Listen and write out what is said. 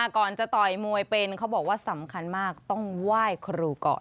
ก่อนจะต่อยมวยเป็นเขาบอกว่าสำคัญมากต้องไหว้ครูก่อน